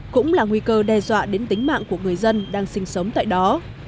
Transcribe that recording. cũng là nguy cơ đe dọa đến tính mạng của người dân đang sinh sống tại đó